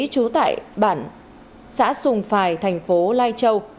trú tại bản xã sùng phài thành phố lai châu